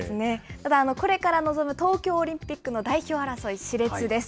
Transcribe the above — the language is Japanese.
ただ、これから臨む東京オリンピックの代表争い、しれつです。